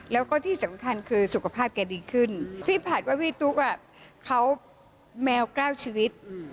แล้วก็ที่สำคัญคือสุขภาพแกดีขึ้นพี่ผัดว่าพี่ตุ๊กเขาแมว๙ชีวิต